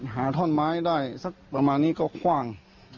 ท่อนไม้ได้สักประมาณนี้ก็กว้าง